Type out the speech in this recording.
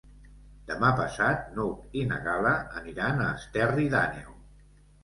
Demà passat n'Hug i na Gal·la aniran a Esterri d'Àneu.